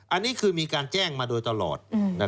อันนี้คือมีการแจ้งมาโดยตลอด